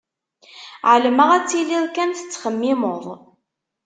Ԑelmeɣ ad tiliḍ kan tettxemmimeḍ.